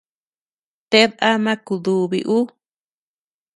Ted ama kudubi ú.